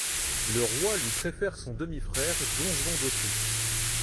Le roi lui préfère son demi-frère Don Juan d'Autriche.